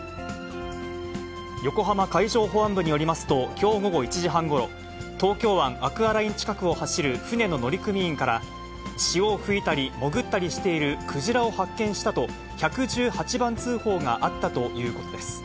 横浜海上保安部によりますと、きょう午後１時半ごろ、東京湾アクアライン近くを走る船の乗組員から、潮を吹いたり潜ったりしているクジラを発見したと、１１８番通報があったということです。